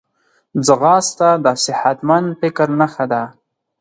ځغاسته د صحتمند فکر نښه ده